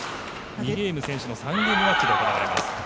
２ゲーム先取のゲームマッチで行われます。